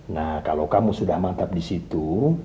nah kalau kamu sudah mantap disitu